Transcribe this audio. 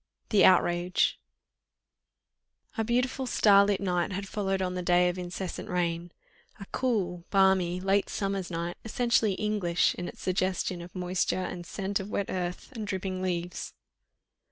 THE OUTRAGE A beautiful starlit night had followed on the day of incessant rain: a cool, balmy, late summer's night, essentially English in its suggestion of moisture and scent of wet earth and dripping leaves.